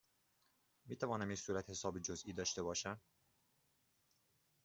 می توانم یک صورتحساب جزئی داشته باشم؟